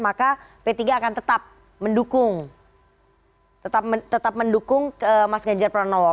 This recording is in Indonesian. maka p tiga akan tetap mendukung mas ganjar pranowo